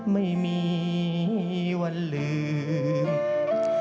ไม่มีวันลืม